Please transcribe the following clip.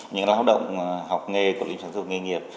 những lao động học nghề cộng lý sản xuất nghề nghiệp